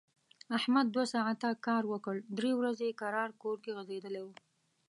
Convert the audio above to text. احمد دوه ساعت کار وکړ، درې ورځي کرار کور غځېدلی و.